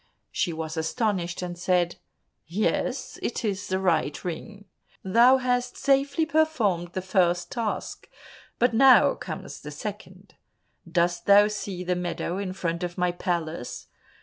She was astonished, and said, "Yes, it is the right ring. Thou hast safely performed the first task, but now comes the second. Dost thou see the meadow in front of my palace?